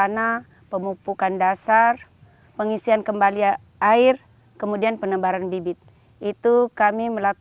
rumput laut yang dipanen kemudian dipilah